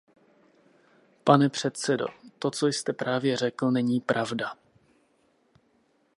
Pane předsedo, to, co jste právě řekl, není pravda.